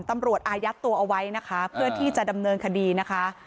อายัดตัวเอาไว้นะคะเพื่อที่จะดำเนินคดีนะคะ